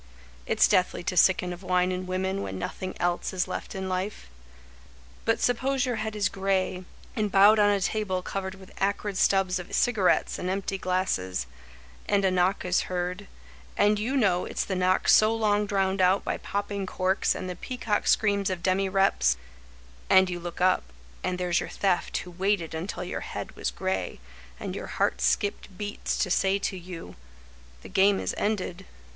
It's deathly to sicken of wine and women When nothing else is left in life. But suppose your head is gray, and bowed On a table covered with acrid stubs Of cigarettes and empty glasses, And a knock is heard, and you know it's the knock So long drowned out by popping corks And the pea cock screams of demireps— And you look up, and there's your Theft, Who waited until your head was gray, And your heart skipped beats to say to you: The game is ended.